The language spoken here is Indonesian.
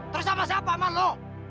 terus sama siapa manlo